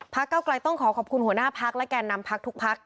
เก้าไกลต้องขอขอบคุณหัวหน้าพักและแก่นำพักทุกพัก